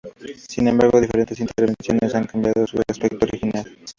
Sin embargo, diferentes intervenciones han cambiado su aspecto original.